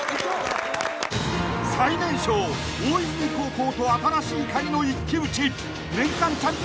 ［最年少大泉高校と新しいカギの一騎打ち］